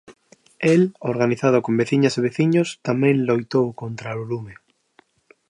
El, organizado con veciñas e veciños, tamén loitou contra o lume.